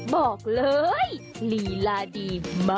บอกเลยลีล่าดีไหมบ้าว